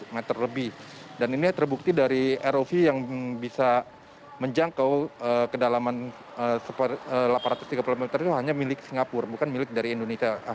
meter lebih dan ini terbukti dari rov yang bisa menjangkau kedalaman delapan ratus tiga puluh meter itu hanya milik singapura bukan milik dari indonesia